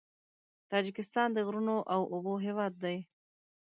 تاجکستان د غرونو او اوبو هېواد دی.